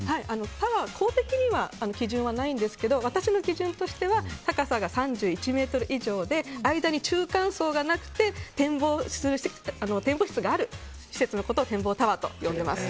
タワー公的には基準はないんですが私の基準としては高さが３１ｍ以上で間に中間層がなくて展望室がある施設のことを展望タワーと呼んでいます。